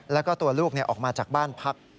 แล้วก็ตัวลูกออกมาจากบ้านพัก